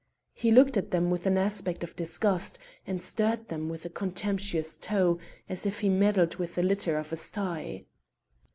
He looked at them with an aspect of disgust, and stirred them with a contemptuous toe as if he meddled with the litter of a stye.